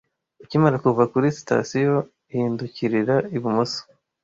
Ukimara kuva kuri sitasiyo, hindukirira ibumoso.